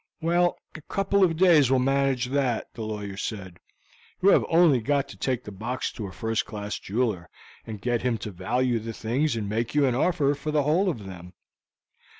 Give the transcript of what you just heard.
"Well, a couple of days will manage that," the lawyer said; "you have only got to take the box to a first class jeweler, and get him to value the things and make you an offer for the whole of them."